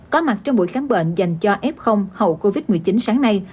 có mặt trong buổi khám bệnh dành cho f hậu covid một mươi chín sáng nay